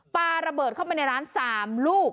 ปลาระเบิดเข้าไปในร้าน๓ลูก